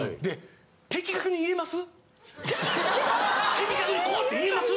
的確にこうって言えます？